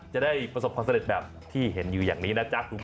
จะได้ประสบความเสด็จแบบที่เห็นอยู่อย่างนี้นะจ๊ะ